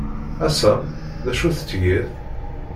A Sam, d acu tettgeḍ?